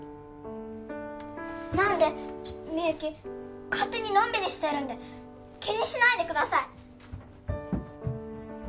なんでみゆき勝手にのんびりしてるんで気にしないでください